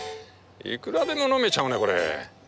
いくらでも飲めちゃうねこれ。